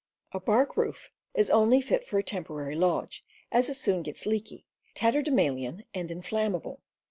A bark roof is only fit for a temporary lodge, as it soon gets leaky, tatterdemalion, and inflammable.